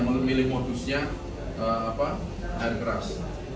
memilih modusnya air keras